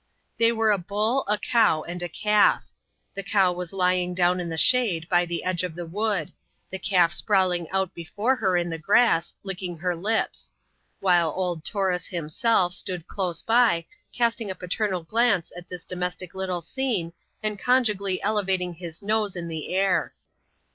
They were a bull, a cow, and a calf. The cow was lying down in the shade, by the edge of the wood; the calf sprawl ing out before her in the grass, licking her lips ; while old Taurus himself stood close by, casting a paternal glance at this domestic little scene, and conjugally elevating his nose in the air.